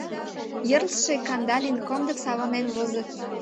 Йӧрлшӧ Кандалин комдык савырнен возо.